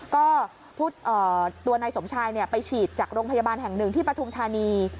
ก็ตัวนายสมชายไปฉีดจากโรงพยาบาลแห่งหนึ่งที่ปฐุมธานี